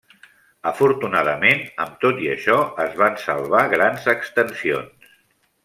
Afortunadament, amb tot i això, es van salvar grans extensions.